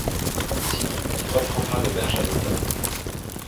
Sinon, il reprendra l'auberge à l'automne.